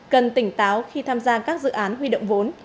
cần tỉnh táo khi tham gia các dự án huy động vốn